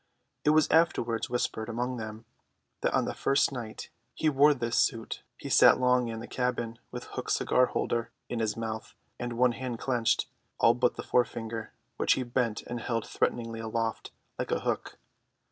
It was afterwards whispered among them that on the first night he wore this suit he sat long in the cabin with Hook's cigar holder in his mouth and one hand clenched, all but for the forefinger, which he bent and held threateningly aloft like a hook.